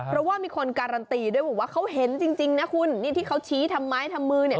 เพราะว่ามีคนการันตีด้วยบอกว่าเขาเห็นจริงนะคุณนี่ที่เขาชี้ทำไม้ทำมือเนี่ย